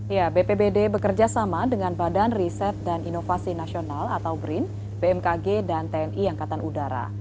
ya bpbd bekerjasama dengan badan riset dan inovasi nasional atau brin bmkg dan tni angkatan udara